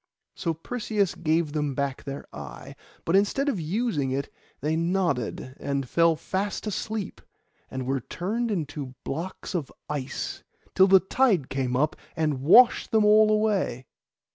So Perseus gave them back their eye; but instead of using it, they nodded and fell fast asleep, and were turned into blocks of ice, till the tide came up and washed them all away.